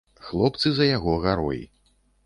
Хлопцы за яго гарой.